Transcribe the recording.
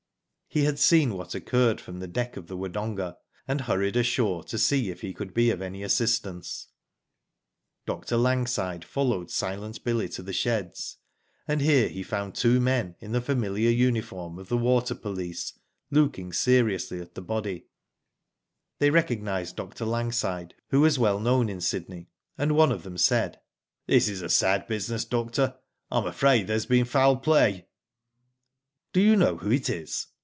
He had seen what occurred from the deck of the Wodonga, and hurried ashore to see if he could be of any assistance. Dr. Langside followed "Silent Billy" to the sheds ; and here he found two men in the familiar uniform of the water police, looking seriously at the body. '^ Digitized byGoogk A MYSTERY, 17 They recognised Dr. Langside, who was well known in Sydney, and one of them said : This is a sad business, doctor. I am afraid there has been foul play." " Do you know who it is